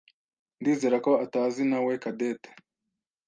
Ndizera ko atazi nawe Cadette.